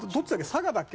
佐賀だっけ？